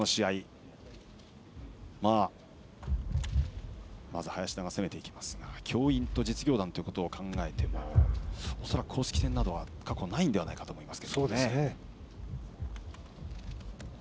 この試合、林田が攻めていきますが教員と実業団ということを考えても恐らく公式戦などは過去ないのではないかと思います。